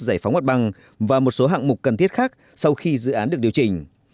giải phóng mặt bằng và một số hạng mục cần thiết khác sau khi dự án được điều chỉnh